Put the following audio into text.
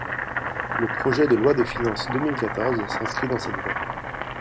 Le projet de loi de finances deux mille quatorze s’inscrit dans cette voie.